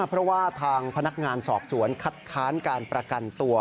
เพราะว่าทางพนักงานสอบสวนคัดค้านการประกันตัว